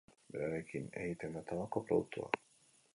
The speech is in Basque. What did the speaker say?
Berarekin egiten da tabako produktua.